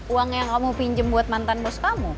uang yang kamu pinjam buat mantan bos kamu